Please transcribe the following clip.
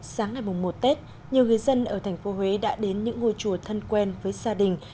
sáng ngày mùng một tết nhiều người dân ở thành phố huế đã đến những ngôi chùa thân quen với gia đình